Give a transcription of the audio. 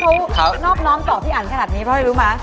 สาเหตุที่เขานอบน้องต่อพี่อันขนาดนี้พ่อให้รู้มั้ย